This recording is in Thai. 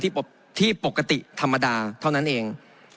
ปกติที่ปกติธรรมดาเท่านั้นเอง